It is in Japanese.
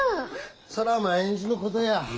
そら毎日のことや。